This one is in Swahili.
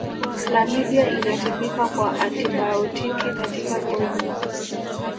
Klamidia inatibika kwa antibaotiki katika ngozi